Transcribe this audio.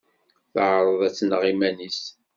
Teɛreḍ ad tneɣ iman-is.